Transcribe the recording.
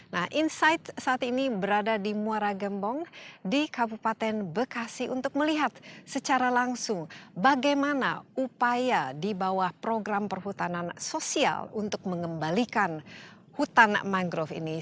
nah insight saat ini berada di muara gembong di kabupaten bekasi untuk melihat secara langsung bagaimana upaya di bawah program perhutanan sosial untuk mengembalikan hutan mangrove ini